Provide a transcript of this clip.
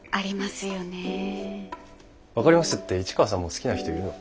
分かりますって市川さんも好きな人いるの？